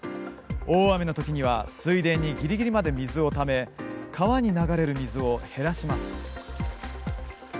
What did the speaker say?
大雨のときには水田にぎりぎりまで水をため川に流れる水を減らします。